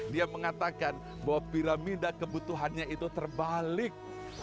dia mengatakan bahwa piramida kebutuhannya itu terbalik